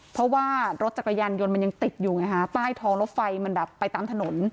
เพราะว่ารถจักรยานยนต์มันยังติดอยู่ไงฮะใต้ท้องรถไฟมันดับไปตามถนน